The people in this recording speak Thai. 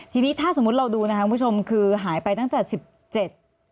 ทีนี้ถ้าสมมุติเราดูนะคะคุณผู้ชมคือหายไปตั้งแต่สิบเจ็ด